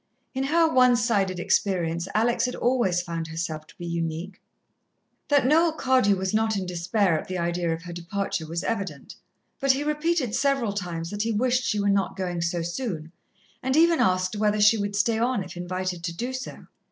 In her one sided experience, Alex had always found herself to be unique. That Noel Cardew was not in despair at the idea of her departure was evident. But he repeated several times that he wished she were not going so soon, and even asked whether she would stay on if invited to do so.